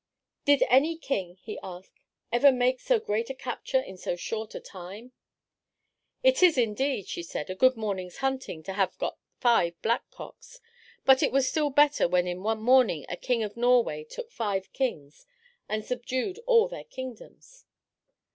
"Did any king," he asked, "ever make so great a capture in so short a time?" "It is, indeed," she said, "a good morning's hunting to have got five blackcocks, but it was still better when in one morning a king of Norway took five kings and subdued all their kingdoms."